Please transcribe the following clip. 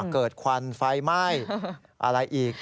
ควันไฟไหม้อะไรอีก